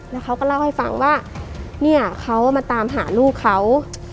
แล้วเขาก็เล่าให้ฟังว่าเนี่ยเขามาตามหาลูกเขา